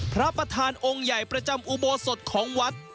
พระประธานองค์ใหญ่ประจำอุโบสถของวัด